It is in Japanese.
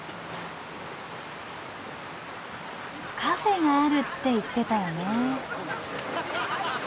カフェがあるって言ってたよね。